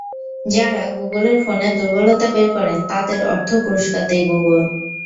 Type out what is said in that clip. যাঁরা গুগলের ফোনের দুর্বলতা বের করেন, তাঁদের অর্থ পুরস্কার দেয় গুগল।